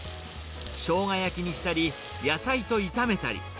ショウガ焼きにしたり、野菜と炒めたり。